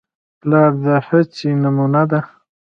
پلار د هڅې نمونه ده.